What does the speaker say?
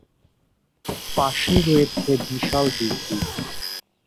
পাশেই রয়েছে বিশাল দিঘী।